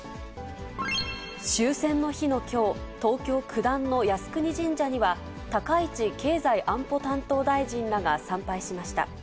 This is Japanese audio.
終戦の日のきょう、東京・九段の靖国神社には、高市経済安保担当大臣らが参拝しました。